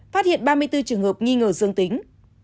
phát hiện ba mươi bốn trường hợp nghi ngờ dương tính